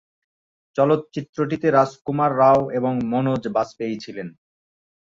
চলচ্চিত্রটিতে রাজকুমার রাও এবং মনোজ বাজপেয়ী ছিলেন।